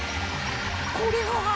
これは。